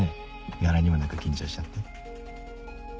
柄にもなく緊張しちゃって。